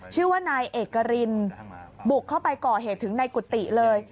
ชื่อว่านายเอกรินบุกเข้าไปก่อเหตุถึงในกุฏิเลย